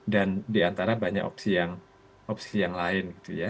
dan diantara banyak opsi yang lain